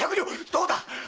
どうだ